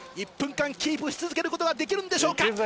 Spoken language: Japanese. １分間キープし続けることができるんでしょうか？